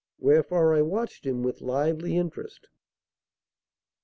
Wherefore I watched him with lively interest.